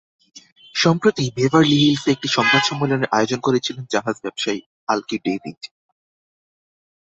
সম্প্রতি বেভারলি হিলসে একটি সংবাদ সম্মেলনের আয়োজন করেছিলেন জাহাজ ব্যবসায়ী আলকি ডেভিড।